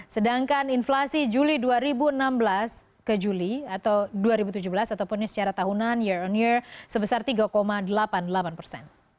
sedangkan inflasi juli dua ribu enam belas ke juli atau dua ribu tujuh belas ataupun secara tahunan year on year sebesar tiga delapan puluh delapan persen